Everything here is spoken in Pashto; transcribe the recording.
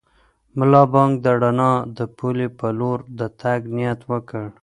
ملا بانګ د رڼا د پولې په لور د تګ نیت وکړ.